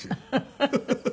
フフフフ。